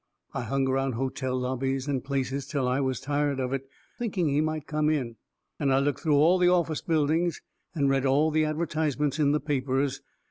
I hung around hotel lobbies and places till I was tired of it, thinking he might come in. And I looked through all the office buildings and read all the advertisements in the papers.